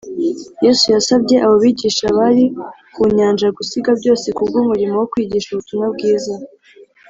yesu yasabye abo bigisha bari ku nyanja gusiga byose kubw’umurimo wo kwigisha ubutumwa bwiza